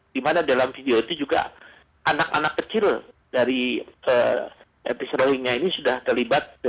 di mana dalam video itu juga anak anak kecil dari etnis rohingya ini sudah terlibat